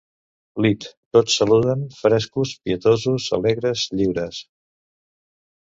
Lit. tots saluden, frescos, pietosos, alegres, lliures.